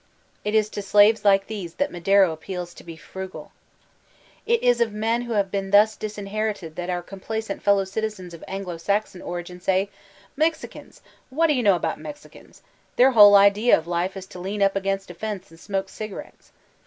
It is to slaves like these that Madero appeals to be "frugal." It is of men who have thus been disinherited that our complacent fellow citizens of Anglo Saxon origin, say: "Mexicans f What do you know about Mexicans? Their whole idea of life is to lean up against a fence and smoke cigarettes".